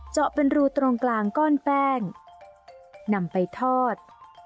เจาะเป็นรูตรงกลางก้อนแป้งนำไปทอด